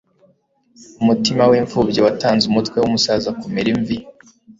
Umutima w'imfubyi watanze umutwe w'umusaza kumera imvi